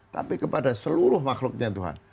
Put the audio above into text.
tapi kepada seluruh makhluknya tuhan